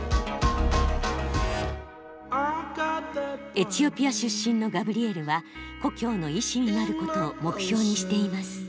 エチオピア出身のガブリエルは故郷の医師になることを目標にしています。